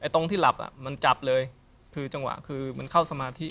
ตรงที่หลับอ่ะมันจับเลยคือจังหวะคือมันเข้าสมาธิ